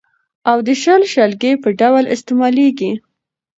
او د شل، شلګي په ډول استعمالېږي.